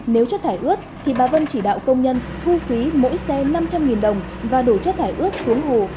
nếu chất thải ướt thì bà vân chỉ đạo công nhân thu phí mỗi xe năm trăm linh đồng và đổ chất thải ướt xuống hồ